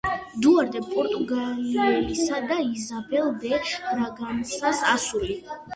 დუარტე პორტუგალიელისა და იზაბელ დე ბრაგანსას ასული.